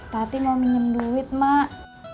tadi mau minjem duit mak